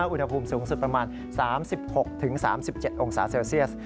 อุณหภูมิสูงสุดประมาณ๓๖๓๗องศาเซลเซียส